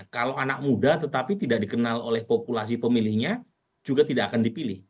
kalau anak muda tetapi tidak dikenal oleh populasi pemilihnya juga tidak akan dipilih